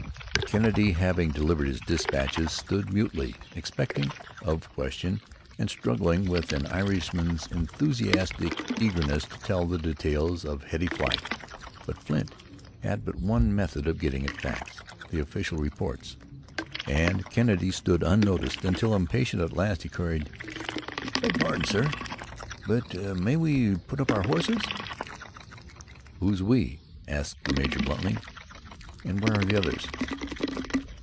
Kennedy, having delivered his despatches, stood mutely expectant of question and struggling with an Irishman's enthusiastic eagerness to tell the details of heady fight. But Flint had but one method of getting at facts the official reports and Kennedy stood unnoticed until, impatient at last, he queried: "Beg pardon, sir, but may we put up our horses?" "Who's we?" asked the major, bluntly. "And where are the others?"